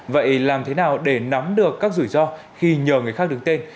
vậy làm thế nào để nắm được các rủi ro khi nhờ người khác đứng tên